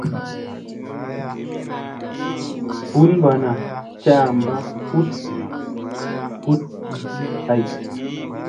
Bunbana caamba huɗ jivi hay.